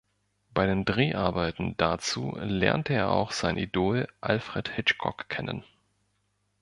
Bei den Dreharbeiten dazu lernte er auch sein Idol Alfred Hitchcock kennen.